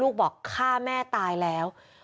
ลูกนั่นแหละที่เป็นคนผิดที่ทำแบบนี้